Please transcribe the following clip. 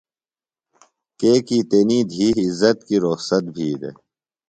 کیکیۡ تنی دِھی عزت کی رخصت بھی دےۡ۔